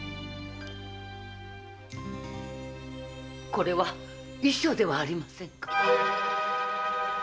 これは遺書ではありませぬか